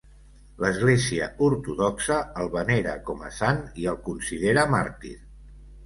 L'Església Ortodoxa el venera com a sant i el considera màrtir.